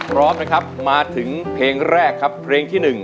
พร้อมนะครับมาถึงเพลงแรกครับเพลงที่๑